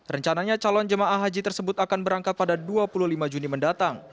rencananya calon jemaah haji tersebut akan berangkat pada dua puluh lima juni mendatang